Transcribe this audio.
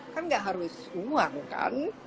kan nggak harus uang kan